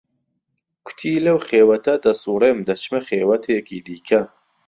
کوتی لەو خێوهته دهسوڕێم دهچمه خێوهتێکی دیکه